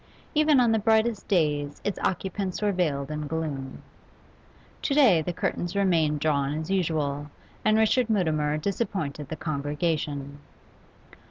Even on the brightest days its occupants were veiled in gloom. To day the curtains remained drawn as usual, and Richard Mutimer disappointed the congregation.